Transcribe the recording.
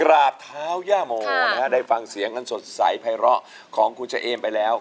กราบเท้าย่าโมนะฮะได้ฟังเสียงอันสดใสไพร้อของคุณเฉเอมไปแล้ว